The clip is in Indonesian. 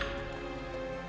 dia juga menangis